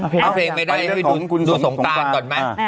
เพลงไม่ได้ไปดูสงการก่อนไหม